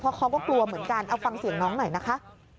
เพราะเขาก็กลัวเหมือนกันเอาฟังเสียงน้องหน่อยนะคะ